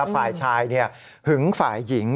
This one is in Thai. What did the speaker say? ฝ่ายชายหึงฝ่ายหญิง